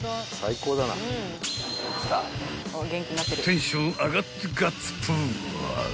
［テンション上がってガッツポーズ］